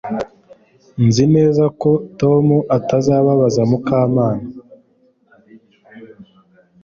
Nzi neza ko Tom atazababaza Mukamana